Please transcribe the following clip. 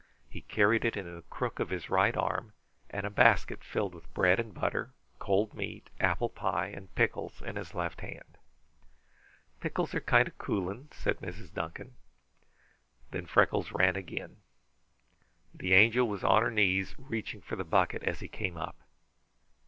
He carried it in the crook of his right arm, and a basket filled with bread and butter, cold meat, apple pie, and pickles, in his left hand. "Pickles are kind o' cooling," said Mrs. Duncan. Then Freckles ran again. The Angel was on her knees, reaching for the bucket, as he came up.